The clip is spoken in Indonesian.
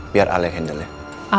biar al yang handle nya